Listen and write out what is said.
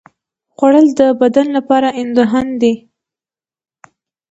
خوړل د بدن لپاره ایندھن دی